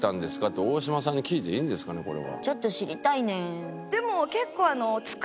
ちょっと知りたいね。